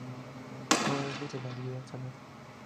No lejos de la Vía Salaria.